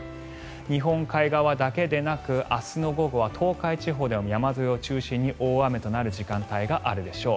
日本海側だけでなく明日の午後は東海地方でも山沿いを中心に大雨となる時間帯があるでしょう。